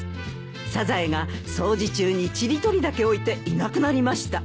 サザエが掃除中にちり取りだけ置いていなくなりました。